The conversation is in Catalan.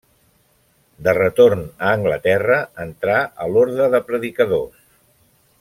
De retorn a Anglaterra, entrà a l'Orde de Predicadors.